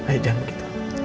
ayo jangan begitu